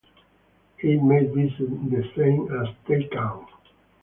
It may be the same as Tay Khang.